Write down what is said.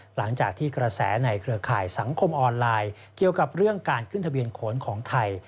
หลังจากที่กระแสในเครือข่ายสังคมออนไลน์เกี่ยวกับเรื่องการขึ้นทะเบียนโขนของไทย